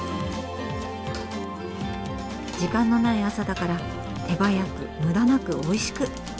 時間のない朝だから手早く無駄なくおいしく！